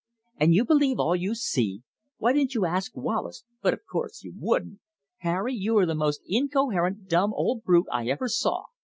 "And you believe all you see! Why didn't you ask Wallace but of course you wouldn't! Harry, you are the most incoherent dumb old brute I ever saw!